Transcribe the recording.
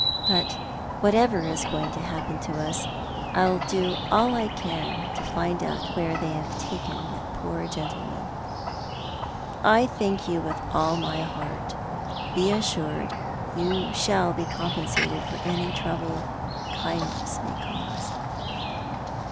" But whatever is going to haj^pen to us, I'll do all I can to tind out where they have taken that poor gentleman.'' " I thank you with all ray heart. Be assured you shall bo compensated for any trouble your kindness may cause."